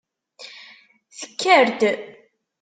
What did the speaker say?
Tekker-d.